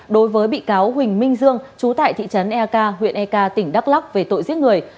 đối với bị cáo huỳnh minh dương chú tại thị trấn eak huyện ek tỉnh đắk lắc về tội giết người